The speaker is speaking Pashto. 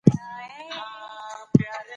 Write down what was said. د موضوع منطقي تسلسل د لوستونکي پام زیاتوي.